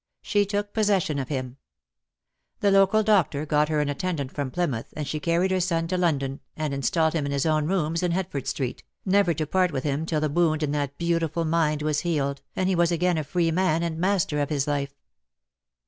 She took possession of him. The local doctor got her an attendant from Plymouth, and she carried her son to London, and installed him in his own rooms in Hertford Street, never to part with him till the wound in that beautiful mind was healed, and he was again a free man and master of his life.